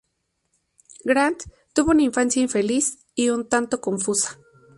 Grant tuvo una infancia infeliz y un tanto confusa.